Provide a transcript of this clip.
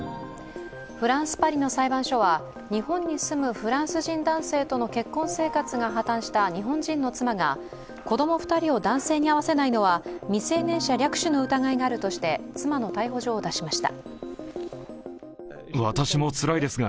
フランス・パリの裁判所は日本に住むフランス人男性との結婚生活が破綻した日本人の妻が子供２人を男性に会わせないのは未成年者略取の疑いがあるとして妻の逮捕状を出しました。